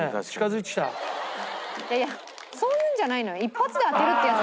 いやいやそういうんじゃないのよ。